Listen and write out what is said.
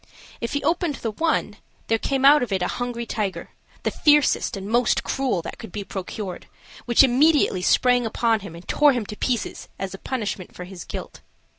If he opened the one, there came out of it a hungry tiger, the fiercest and most cruel that could be procured, which immediately sprang upon him and tore him to pieces as a punishment for his guilt.